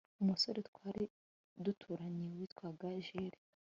umusore twari duturanye witwaga Jule